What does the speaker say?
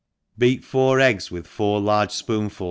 BEAT four eggs with four large fpoonful?